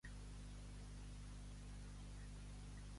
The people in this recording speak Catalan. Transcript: Sense cabals moren els rius i els pobles!